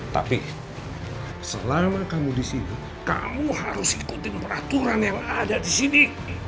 tapi selama kamu disini kamu harus ikutin peraturan yang ada disini